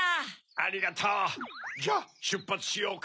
ありがとうじゃあしゅっぱつしようか。